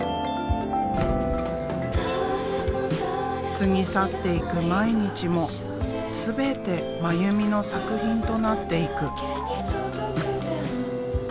過ぎ去っていく毎日も全て真由美の作品となっていく。